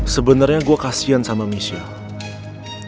sebenarnya gue kasian sama michelle